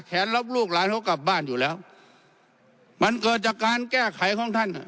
รับลูกหลานเขากลับบ้านอยู่แล้วมันเกิดจากการแก้ไขของท่าน